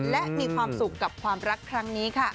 และมีความสุขกับความรักครั้งนี้ค่ะ